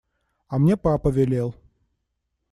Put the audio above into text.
А мне папа велел…